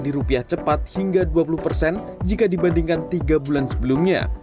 di rupiah cepat hingga dua puluh persen jika dibandingkan tiga bulan sebelumnya